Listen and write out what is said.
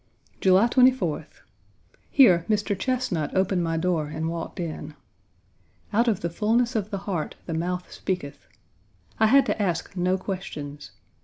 July 24th. Here Mr. Chesnut opened my door and Page 89 walked in. Out of the fulness of the heart the mouth speaketh. I had to ask no questions.